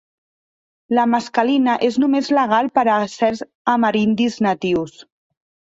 La mescalina és només legal per a certs amerindis natius.